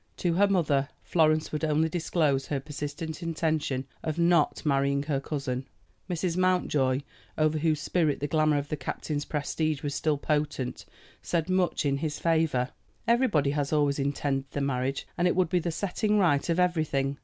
To her mother Florence would only disclose her persistent intention of not marrying her cousin. Mrs. Mountjoy, over whose spirit the glamour of the captain's prestige was still potent, said much in his favor. Everybody had always intended the marriage, and it would be the setting right of everything.